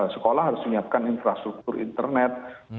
sekolah harus menyiapkan infrastruktur internet